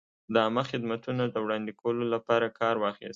د عامه خدمتونو د وړاندې کولو لپاره کار واخیست.